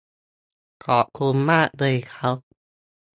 ขอบคุณมากเลยครับ